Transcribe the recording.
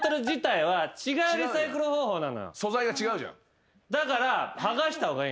素材が違うじゃん。